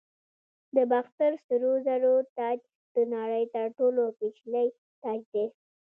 د باختر سرو زرو تاج د نړۍ تر ټولو پیچلی تاج دی